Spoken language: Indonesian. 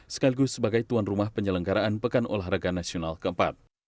sekaligus sebagai tuan rumah penyelenggaraan pekan olahraga nasional keempat